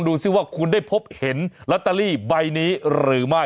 ถูกมากอย่างนี้หรือไม่